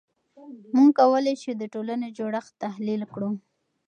موږ کولای شو د ټولنې جوړښت تحلیل کړو.